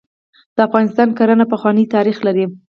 د افغانستان کرهڼه پخوانی تاریخ لري .